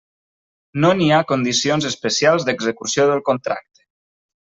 No n'hi ha condicions especials d'execució del contracte.